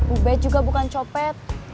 ubed juga bukan copet